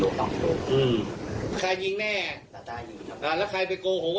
ก็มีเป็นแบบนี้อาจไม่รู้เลยหรอว่ะ